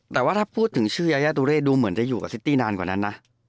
แต่ว่าถ้าพูดถึงชื่อยายาตุเร่ดูเหมือนจะอยู่กับซิตตี้นานกว่านั้นนะ